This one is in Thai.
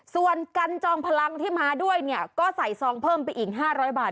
ส่วนกันจอมพลังที่มาด้วยเนี่ยก็ใส่ซองเพิ่มไปอีก๕๐๐บาท